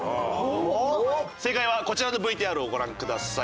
正解はこちらのＶＴＲをご覧ください。